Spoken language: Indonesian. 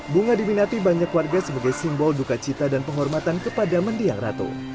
bunga diminati banyak warga sebagai simbol duka cita dan penghormatan kepada mendiang ratu